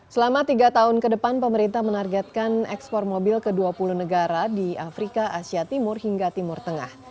selama tiga tahun ke depan pemerintah menargetkan ekspor mobil ke dua puluh negara di afrika asia timur hingga timur tengah